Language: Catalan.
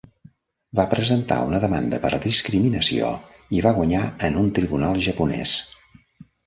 Va presentar una demanda per discriminació, i va guanyar en el tribunal japonès.